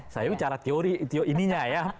saya bicara teori ini ya